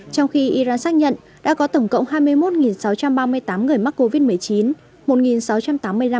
trong khi iran xác nhận đã có tổng cộng hai mươi một sáu trăm ba mươi tám người mắc covid một mươi chín người